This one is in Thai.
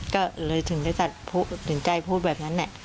ก็เลยถึงได้ตัดสินใจพูดแบบนั้นแหละ